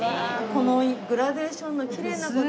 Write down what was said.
このグラデーションのきれいなこと。